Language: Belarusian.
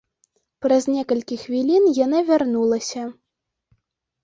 Праз некалькі хвілін яна вярнулася.